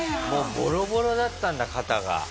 もうボロボロだったんだ肩が。